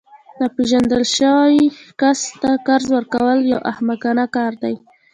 ناپیژندل شوي کس ته قرض ورکول یو احمقانه کار دی